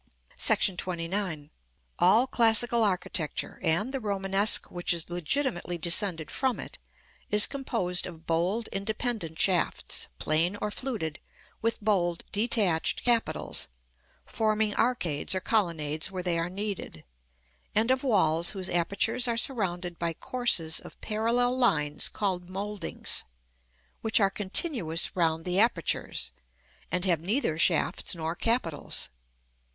§ XXIX. All classical architecture, and the Romanesque which is legitimately descended from it, is composed of bold independent shafts, plain or fluted, with bold detached capitals, forming arcades or colonnades where they are needed; and of walls whose apertures are surrounded by courses of parallel lines called mouldings, which are continuous round the apertures, and have neither shafts nor capitals.